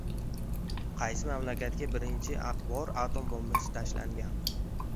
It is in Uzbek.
Qaysi mamlakatga birinchi bor atom bombasi tashlangan?